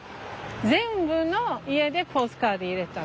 全部の家でポストカード入れたの。